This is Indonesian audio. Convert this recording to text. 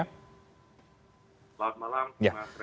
selamat malam bung kurnia